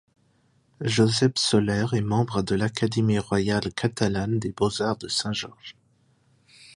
Josep Soler est membre de l'Académie royale catalane des beaux-arts de Saint-Georges.